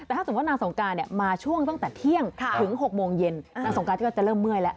แต่ถ้าสมมติว่านางสงกรานมาช่วงตั้งแต่เที่ยงถึง๖โมงเช้าเดี๋ยวนางสงกรานก็จะเริ่มเมื่อยแล้ว